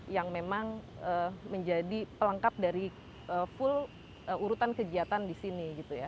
yang memang menjadi pelengkap dari full urutan kegiatan di sini gitu ya